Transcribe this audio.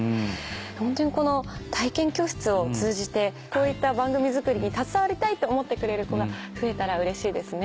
ホントにこの体験教室を通じてこういった番組作りに携わりたいって思ってくれる子が増えたらうれしいですね。